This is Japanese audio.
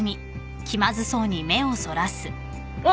あっ！